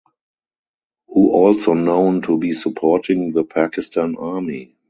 Who also known to be supporting the Pakistan Army.